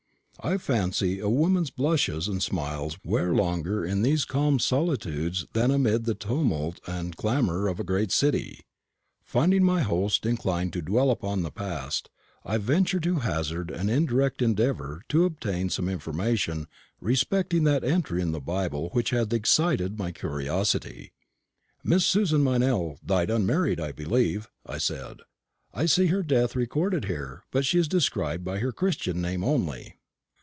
I fancy a woman's blushes and smiles wear longer in these calm solitudes than amid the tumult and clamour of a great city. Finding my host inclined to dwell upon the past, I ventured to hazard an indirect endeavour to obtain some information respecting that entry in the Bible which had excited my curiosity. "Miss Susan Meynell died unmarried, I believe?" I said. "I see her death recorded here, but she is described by her Christian name only."